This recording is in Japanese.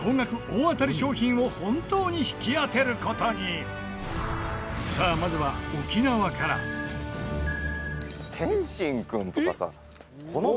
大当たり商品を本当に引き当てる事にさあ、まずは沖縄から千賀：